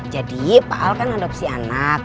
jadi pak al kan adopsi anak